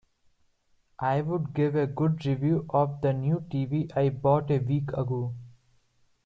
I would give a good review of the new TV I bought a week ago.